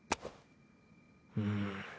うん。